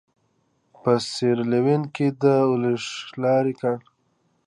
په سیریلیون کې د اولیګارشۍ قانون ټینګښت ډېر ممکن شوی و.